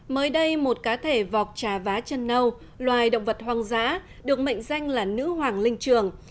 mới đây một cá thể vọc trà vá chân nâu loài động vật hoang dã được mệnh danh là nữ hoàng linh trường